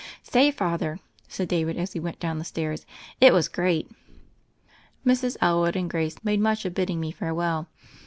"Say, Father," said David as we went down the stairs, "it was great I" Mrs. Elwood and Grace made much of bid ding me farewell.